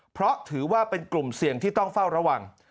เพราะถือว่าเป็นกลุ่มเสี่ยงที่ต้องเฝ้าระวัง